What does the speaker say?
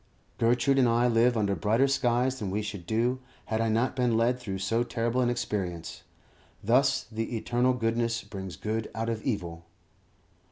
Gertrude and I live under brighter skies than we should do had I not been led through so terrible an experience. Thus the Eternal Goodness brings good out of evil.